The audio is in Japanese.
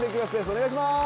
お願いします！